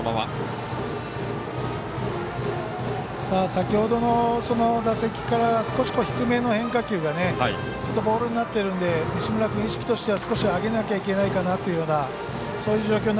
先ほどの打席から少し低めの変化球がボールになっているんで西村君、意識としては少し上げなきゃいけないかなというような、そういう状況に